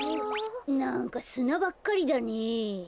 なんかすなばっかりだねえ。